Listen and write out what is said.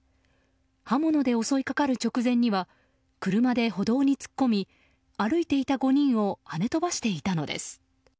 刃物で襲いかかる直前には車で歩道に突っ込み歩いていた５人を跳ね飛ばしていたのです。